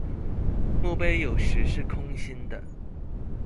墓碑有时是空心的。